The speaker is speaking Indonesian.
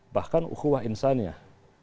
bahkan ukhwah insaniyah